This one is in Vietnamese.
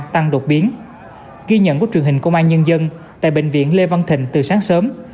tăng đột biến ghi nhận của truyền hình công an nhân dân tại bệnh viện lê văn thịnh từ sáng sớm